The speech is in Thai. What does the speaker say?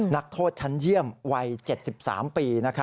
นักโทษชั้นเยี่ยมวัย๗๓ปี